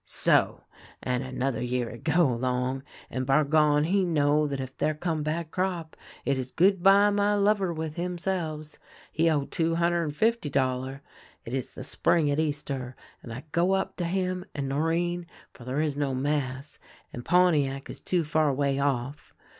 So ; and another year it go along, and Bargon he know that if there come bad crop it is good bye my lover with himselves. He owe two hunder' and fifty dollar. It is the spring at Easter, and I go up to him and Norinne, for there is no Mass, and Pontiac is too far away ofT.